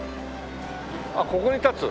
あっここに建つ？